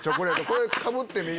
「これかぶってみ」